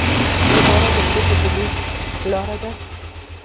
ژباړه د پوهې د لیږد لاره ده.